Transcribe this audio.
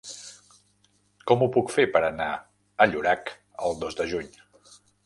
Com ho puc fer per anar a Llorac el dos de juny?